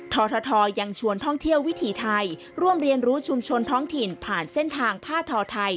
ททยังชวนท่องเที่ยววิถีไทยร่วมเรียนรู้ชุมชนท้องถิ่นผ่านเส้นทางผ้าทอไทย